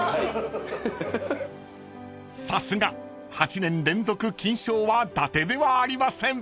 ［さすが８年連続金賞はだてではありません］